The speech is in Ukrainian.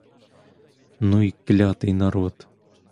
Ну й клятий народ!